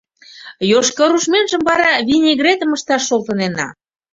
Йошкарушменжым вара винегретым ышташ шолтынена.